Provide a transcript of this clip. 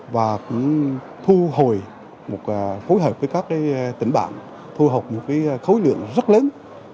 và cũng thu hồi phối hợp với các tỉnh bản thu hợp một khối lượng rất lớn